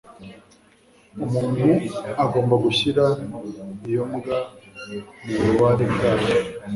Umuntu agomba gushyira iyo mbwa mububabare bwayo.